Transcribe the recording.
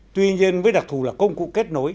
tuy nhiên với đặc thù là công cụ kết nối